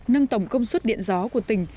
nâng tổng công suất điện gió của tỉnh